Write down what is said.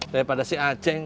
daripada si aceng